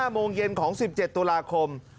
โมงเย็นของ๑๗ตุลาคม